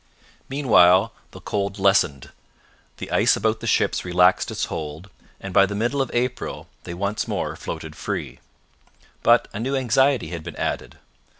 Meanwhile the cold lessened; the ice about the ships relaxed its hold, and by the middle of April they once more floated free. But a new anxiety had been added.